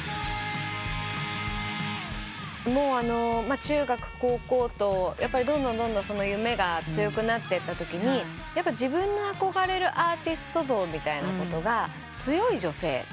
中学高校とどんどんどんどん夢が強くなってったときに自分の憧れるアーティスト像みたいなことが強い女性。